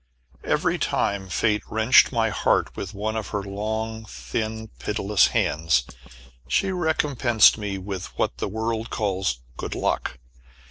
Every time Fate wrenched my heart with one of her long thin pitiless hands, she recompensed me with what the world calls "good luck."